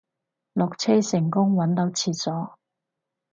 落車成功搵到廁所